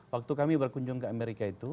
waktu kami berkunjung ke amerika itu